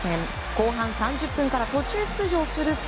後半３０分から途中出場すると